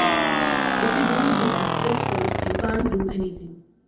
If you don’t give access first, you can’t do anything.